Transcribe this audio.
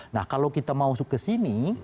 nah kalau kita mau masuk ke sini